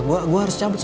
gue harus cabut ya